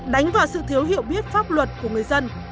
đánh vào sự thiếu hiểu biết pháp luật của người dân